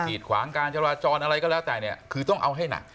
ีดขวางการจราจรอะไรก็แล้วแต่เนี่ยคือต้องเอาให้หนัก